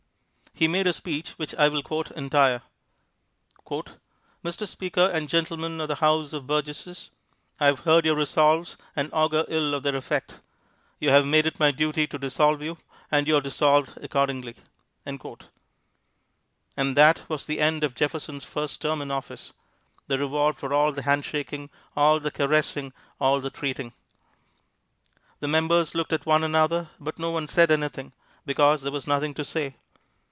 He made a speech which I will quote entire. "Mr. Speaker and Gentlemen of the House of Burgesses: I have heard your resolves, and augur ill of their effect. You have made it my duty to dissolve you, and you are dissolved accordingly." And that was the end of Jefferson's first term in office the reward for all the hand shaking, all the caressing, all the treating! The members looked at one another, but no one said anything, because there was nothing to say.